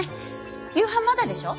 夕飯まだでしょ？